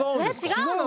違うの？